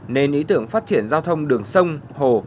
nên ý tưởng phát triển giao thông đường sông hồ